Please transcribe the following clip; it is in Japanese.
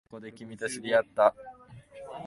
そこで、君と知り合った